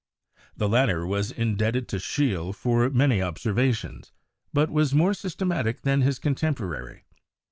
The latter was indebted to Scheele for many observations, but was more systematic than his contemporary.